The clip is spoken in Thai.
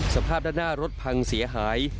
สภาพด้านหน้ารถพังเสียหาย